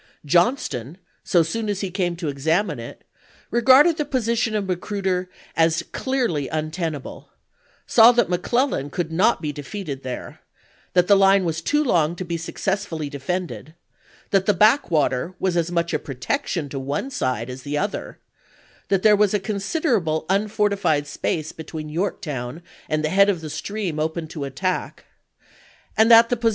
John ston, so soon as he came to examine it, regarded the position of Magruder as clearly untenable; saw that McClellan could not be defeated there ; that the fine was too long to be successfully defended ; that the back water was as much a protection to one side as the other; that there was a considerable unfortified space between Yorktown and the head of the stream open to attack; and that the posi 368 ABRAHAM LINCOLN coAF. XX.